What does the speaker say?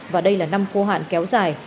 và đây là năm khô hạn kéo dài